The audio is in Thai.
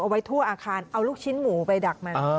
ไว้ทั่วอาคารเอาลูกชิ้นหมูไปดักมัน